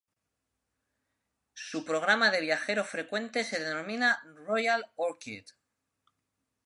Su programa de viajero frecuente se denomina "Royal Orchid".